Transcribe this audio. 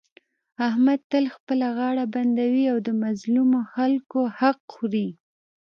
احمد تل خپله غاړه بندوي او د مظلومو خلکو حق خوري.